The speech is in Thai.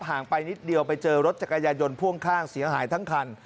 งไปนิดเดียวไปเจอรถจักรยายนพ่วงข้างเสียหายทั้งคัน